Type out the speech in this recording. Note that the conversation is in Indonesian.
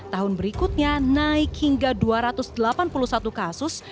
tahun berikutnya naik hingga dua ratus delapan puluh satu kasus